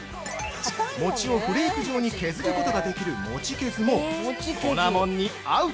餅をフレーク状に削ることができるモチケズも粉もんに合う！